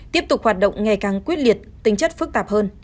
tiếp tục hoạt động ngày càng quyết liệt tính chất phức tạp hơn